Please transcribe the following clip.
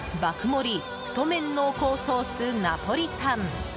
盛太麺濃厚ソースナポリタン